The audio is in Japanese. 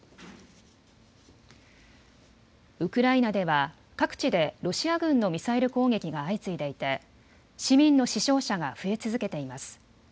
ウクライナでは各地でロシア軍のミサイル攻撃が相次いでいて市民の死傷者が増え続けています。